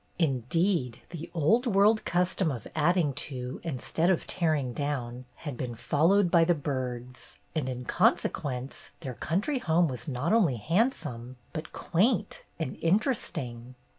Indeed, the old world custom of adding to, instead of tearing down, had been followed by the Byrds, and in consequence their country home was not only handsome, but quaint and interesting.